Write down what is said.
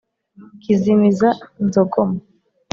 kizimiza, nzogoma